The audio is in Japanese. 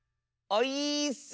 オイーッス！